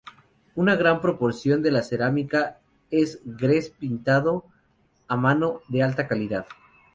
Una gran proporción de la cerámica es gres pintado a mano de alta calidad.